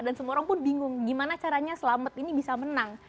dan semua orang pun bingung gimana caranya selamat ini bisa menang